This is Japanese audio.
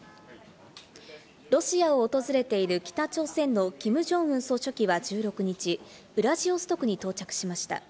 ロシアを訪れている北朝鮮のキム・ジョンウン総書記は１６日、ウラジオストクに到着しました。